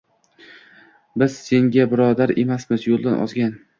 — Biz senga birodar emasmiz, yo‘ldan ozgan?!